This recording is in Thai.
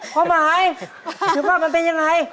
พ่อหมายคิดว่ามันเป็นอย่างไร